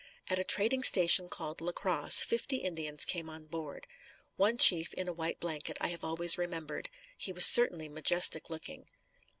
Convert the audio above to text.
At a trading station called La Crosse, fifty Indians came on board. One chief in a white blanket I have always remembered. He was certainly majestic looking.